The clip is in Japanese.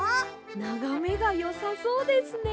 ながめがよさそうですね！